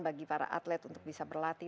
bagi para atlet untuk bisa berlatih